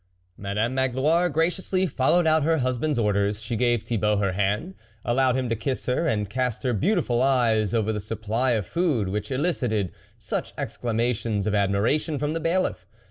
Madame Magloire graciously followed out her husband's orders ; she gave Thi bault her hand, allowed him to kiss her, and cast her beautiful eyes over the sup ply of food which elicited such exclama tions of admiration from the Bailiff.